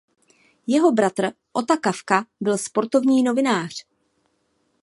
Jeho bratr Ota Kafka byl sportovní novinář.